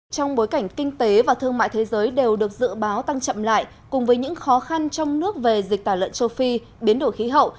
trong bối cảnh kinh tế và thương mại thế giới đều được dự báo tăng chậm lại cùng với những khó khăn trong nước về dịch tả lợn châu phi biến đổi khí hậu